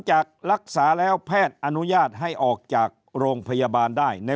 จากรักษาแล้วแพทย์อนุญาตให้ออกจากโรงพยาบาลได้